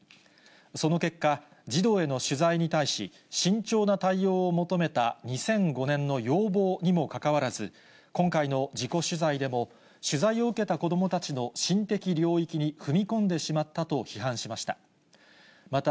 その結果、児童への取材に対し、慎重な対応を求めた２００５年の要望にもかかわらず、今回の事故取材でも、取材を受けた子どもたちの心的領域に踏み込んでしまったと批判しました。